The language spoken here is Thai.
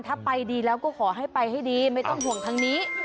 ถ้าไปดีแล้วก็ขอให้ไปให้ดีไม่ต้องห่วงทางนี้